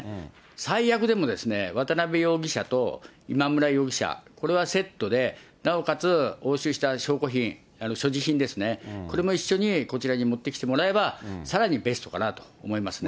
最悪でも渡辺容疑者と今村容疑者、これはセットで、なおかつ押収した証拠品、所持品ですね、これも一緒にこちらに持ってきてもらえば、さらにベストかなと思いますね。